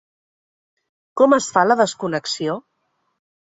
Com es fa la desconnexió?